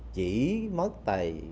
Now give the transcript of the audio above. chỉ mất tầy